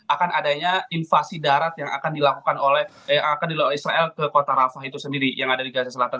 akan adanya invasi darat yang akan dilakukan israel ke kota rafah itu sendiri yang ada di gaza selatan